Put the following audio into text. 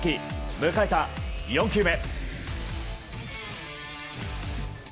迎えた４球目。